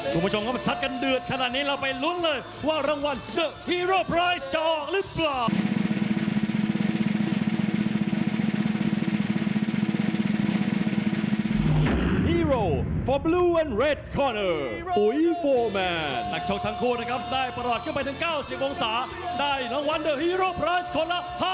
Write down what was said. ทุกท่านครับตอนนี้พวกเราจะไปรุ้นกับชายชนะขนบุญวิธีก่อนครับ